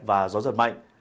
và gió giật mạnh